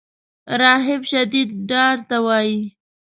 رهب شدید ډار ته وایي.